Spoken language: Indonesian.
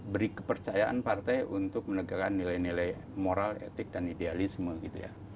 beri kepercayaan partai untuk menegakkan nilai nilai moral etik dan idealisme gitu ya